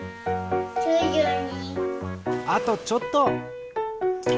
あとちょっと。